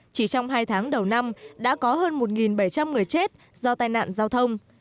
chỉ trong hai tháng đầu năm đã có hơn một bảy trăm linh người chết do tai nạn giao thông